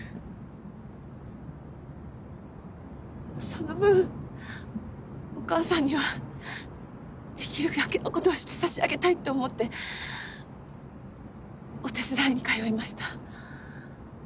その分お義母さんには出来るだけの事をして差し上げたいって思ってお手伝いに通いました。